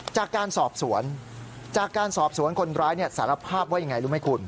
จากการสอบสวนจากการสอบสวนคนร้ายสารภาพว่ายังไงรู้ไหมคุณ